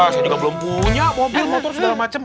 saya juga belum punya mobil motor segala macam